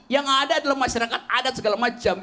yang ada adalah masyarakat adat segala macam